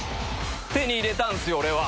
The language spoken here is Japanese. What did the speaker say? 手に入れたんすよ俺は。